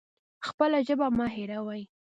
خپله ژبه مه هیروئ